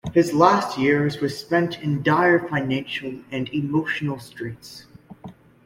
His last years were spent in dire financial and emotional straits.